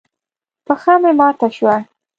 پښه مې ماته شوه.